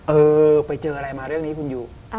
เออไปเจออะไรมาเรื่องนี้คุณอยู่